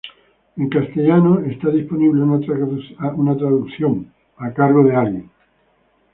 En castellano está disponible una traducción a cargo del Prof.